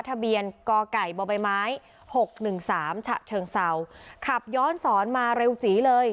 ทะเบียนกกบม๖๑๓ฉะเชิงเซาขับย้อนสอนมาเร็วจี๋เลย